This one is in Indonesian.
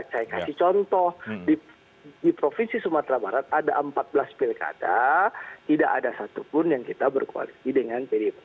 saya kasih contoh di provinsi sumatera barat ada empat belas pilkada tidak ada satupun yang kita berkoalisi dengan pdip